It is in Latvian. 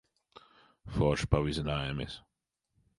Forši pavizinājāmies.